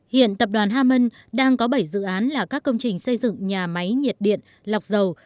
hiện tập đoàn haman đang có bảy dự án là các công trình xây dựng nhà máy nhiệt điện lọc dầu